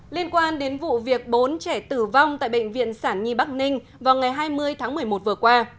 liên quan đến vụ việc bốn trẻ tử vong tại bệnh viện sản nhi bắc ninh vào ngày hai mươi tháng một mươi một vừa qua